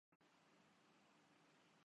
گوئچ ان